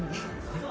えっ？